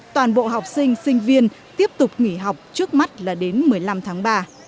toàn bộ học sinh sinh viên tiếp tục nghỉ học trước mắt là đến một mươi năm tháng ba